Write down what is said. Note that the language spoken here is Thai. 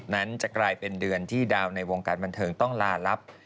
นั้นจะกลายเป็นเดือนที่ดาวในวงการบันเทิงต้องลาลับ